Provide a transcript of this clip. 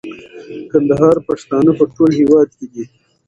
د کندهار پښتانه په ټول هيواد کي دي